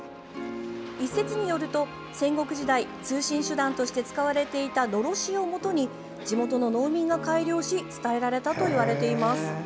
一説によると、戦国時代通信手段として使われていたのろしをもとに地元の農民が改良し伝えられたといわれています。